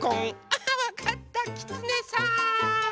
あわかったきつねさん！